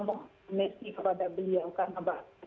mengomelkannya kepada beliau karena